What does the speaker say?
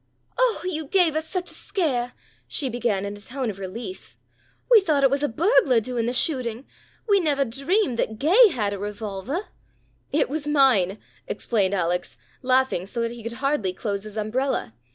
"Oh, you gave us such a scare!" she began in a tone of relief. "We thought it was a burglar doing the shooting. We nevah dreamed that Gay had a revolvah." "It was mine," explained Alex, laughing so that he could hardly close his umbrella.